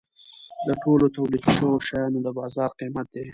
د ټولو تولید شوو شیانو د بازار قیمت دی.